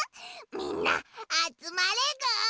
みんなあつまれぐ！